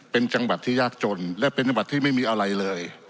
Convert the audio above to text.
เป็นจังหวัดที่ยากจนและเป็นจังหวัดที่ไม่มีอะไรเลย